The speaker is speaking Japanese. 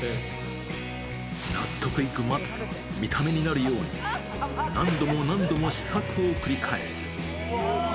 納得いくまずさ、見た目になるように、何度も何度も試作を繰り返す。